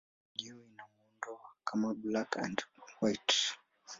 Video ina muundo wa kama black-and-white.